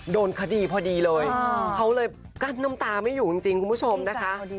โดนคดีพอดีเลยเขาเลยกั้นน้ำตาไม่อยู่จริงคุณผู้ชมนะคะ